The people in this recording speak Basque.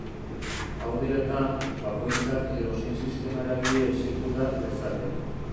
Hau dela eta, bakoitzak edozein sistema eragile exekuta dezake.